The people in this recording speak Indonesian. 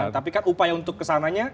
tapi kan upaya untuk kesananya